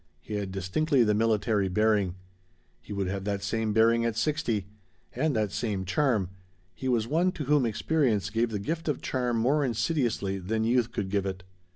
He had distinctly the military bearing. He would have that same bearing at sixty. And that same charm. He was one to whom experience gave the gift of charm more insidiously than youth could give it.